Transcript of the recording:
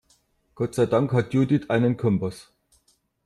Gott sei Dank hat Judith einen Kompass.